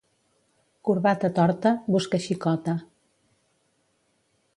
Corbata torta, busca xicota.